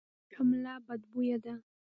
شمله بدبویه ده.